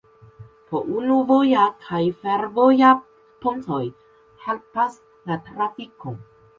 Po unu voja kaj fervoja pontoj helpas la trafikon.